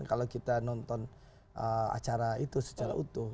kalau kita nonton acara itu secara utuh